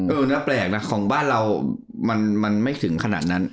น่าแปลกนะของบ้านเรามันไม่ถึงขนาดนั้น